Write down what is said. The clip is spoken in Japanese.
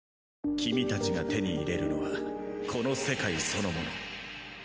君たちが手に入れるのはこの世界そのもの。